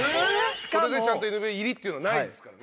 それでちゃんとＮＢＡ入りっていうのはないですからね。